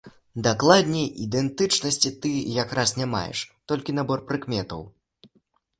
Дакладней, ідэнтычнасці ты якраз не маеш, толькі набор прыкметаў.